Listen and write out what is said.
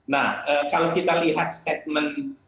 nah kalau kita lihat statement